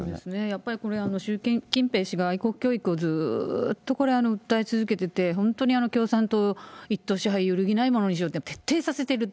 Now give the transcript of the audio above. やっぱりこれは習近平氏が、愛国教育をずっとこれ、訴え続けてて、本当に共産党一党支配、揺るぎないものにしようと、徹底させていると。